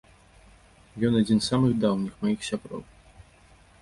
Ён адзін з самых даўніх маіх сяброў.